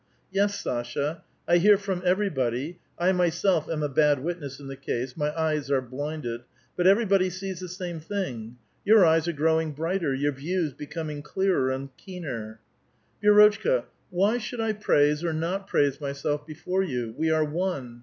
"Yes, Sasha, I hear from evervbodv — I mvself am a bad witness in the case ; my eyes are blinded — but every body sees the same thing ; your eyes are growing brighter, your views become clearer and keener." " Vi^rotchka, why should I praise or not praise myself before you? We are one.